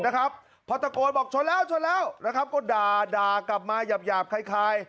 นะครับพอตะโกนบอกชนแล้วนะครับก็ด่ากลับมาหยาบคล้าย